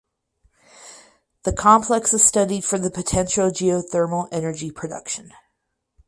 The complex is studied for the potential of geothermal energy production.